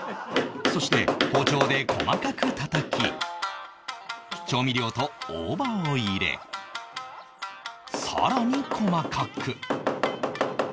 そして包丁で細かくたたき調味料と大葉を入れ更に細かく